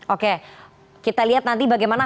oke kita lihat nanti bagaimana